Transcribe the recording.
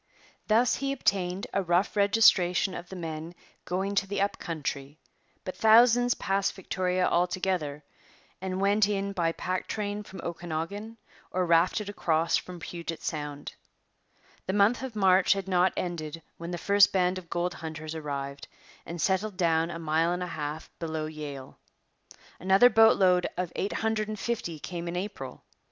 Thus he obtained a rough registration of the men going to the up country; but thousands passed Victoria altogether and went in by pack train from Okanagan or rafted across from Puget Sound. The month of March had not ended when the first band of gold hunters arrived and settled down a mile and a half below Yale. Another boat load of eight hundred and fifty came in April.